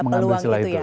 mengambil celah itu ya